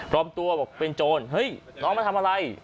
อมตัวบอกเป็นโจรเฮ้ยน้องมาทำอะไร